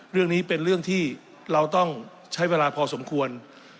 เรื่องนี้เป็นเรื่องที่เราต้องใช้เวลาพอสมควร